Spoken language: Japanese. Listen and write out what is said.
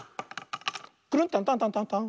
クルンタンタンタンタンタン。